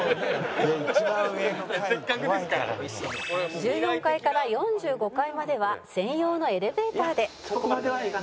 「１４階から４５階までは専用のエレベーターで」